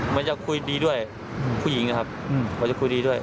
มันจะคุยดีด้วยผู้หญิงนะครับมันจะคุยดีด้วย